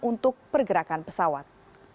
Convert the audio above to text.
untuk pergerakan pesawat